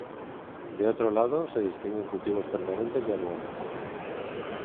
De otro lado, se distinguen cultivos permanentes y anuales.